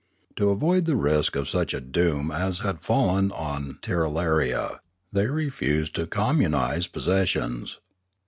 To avoid the risk of such a doom as had fallen on Tirralaria, they refused to communise possessions.